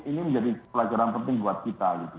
ini menjadi pelajaran penting buat kita gitu